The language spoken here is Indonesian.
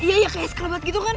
iya kayak sekelabat gitu kan